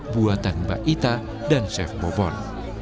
buatan mbak ita dan chef bobon